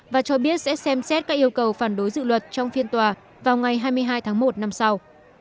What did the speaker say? và cho biết sẽ xem xét các yêu cầu phản đối dự luật trong phiên tòa vào ngày hai mươi hai tháng một năm sau